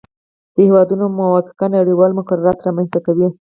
د هیوادونو موافقه نړیوال مقررات رامنځته کوي